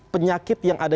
penyakit yang ada